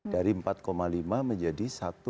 dari empat lima menjadi satu